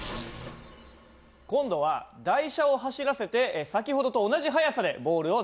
今度は台車を走らせて先ほどと同じ速さでボールを投げてもらいます。